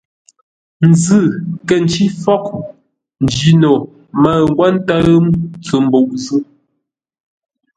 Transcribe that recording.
Nzʉ̂ kə̂ ncí fôghʼ, Njino mə̂ʉ ńgwó ńtə́ʉ ntsʉ mbuʼ zʉ́.